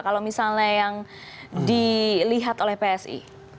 kalau misalnya yang dilihat oleh psi